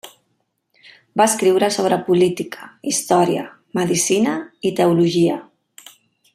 Va escriure sobre política, història, medicina i teologia.